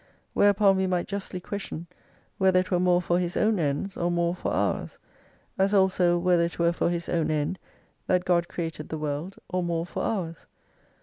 Whereupon we might justly question, whether it were more for his own ends, or more for ours ? As also whether it were for His own end that God created the world or more for ours